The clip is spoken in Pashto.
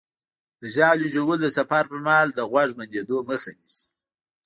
د ژاولې ژوول د سفر پر مهال د غوږ بندېدو مخه نیسي.